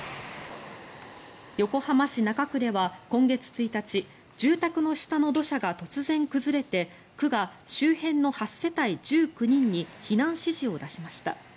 横浜市中区では今月１日住宅の下の土砂が突然崩れて区が周辺の８世帯１９人に避難指示を出しました。